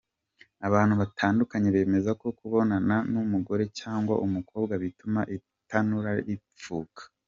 Abantu batandukanye bemeza ko kubonana n’umugore cyangwa umukobwa bituma itanura ripfuba.